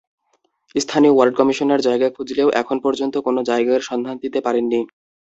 স্থানীয় ward commissioner জায়গা খুঁজলেও এখন পর্যন্ত কোনো জায়গার সন্ধান দিতে পারেননি।